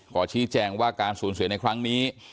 ขอชี้แจงว่าการสูญเสียในครั้งนี้